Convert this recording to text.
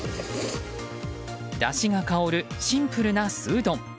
だしが香るシンプルな素うどん。